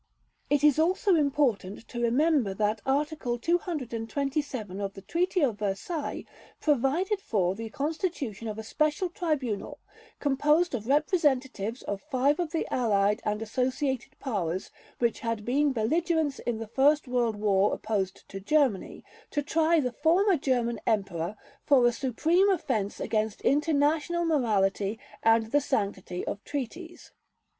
It is also important to remember that Article 227 of the Treaty of Versailles provided for the constitution of a special Tribunal, composed of representatives of five of the Allied and Associated Powers which had been belligerents in the first World War opposed to Germany, to try the former German Emperor "for a supreme offense against international morality and the sanctity of treaties."